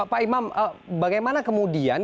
pak imam bagaimana kemudian